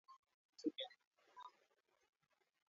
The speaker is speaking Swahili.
Sipendi mwalimu wangu.